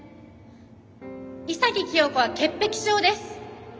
潔清子は潔癖症です。